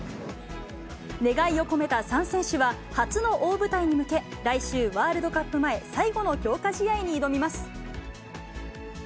願いを込めた３選手は、初の大舞台に向け、来週、ワールドカップ前最後の強化試合に挑みます。